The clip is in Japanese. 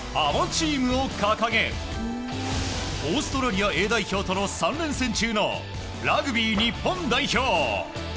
ＯＵＲＴＥＡＭを掲げオーストラリアＡ代表との３連戦中のラグビー日本代表。